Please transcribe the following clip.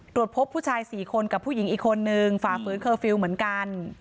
ตรวจพบผู้ชาย๔คนกับผู้หญิงอีกคนนึงฝ่าฝืนเคอร์ฟิลล์เหมือนกัน